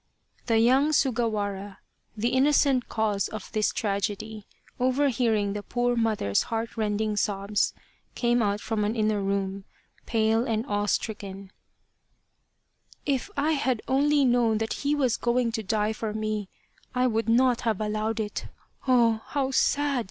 The young Sugawara, the innocent cause of this tragedy, overhearing the poor mother's heart rending sobs, came out from an inner room, pale and awe stricken :" If I had only known that he was going to die for me, I would not have allowed it oh how sad